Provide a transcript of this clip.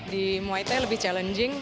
di muay thai lebih challenging